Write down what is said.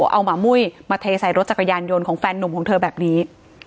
เอาหมามุ้ยมาเทใส่รถจักรยานยนต์ของแฟนนุ่มของเธอแบบนี้